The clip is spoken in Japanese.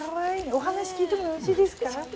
お話聞いてもよろしいですか。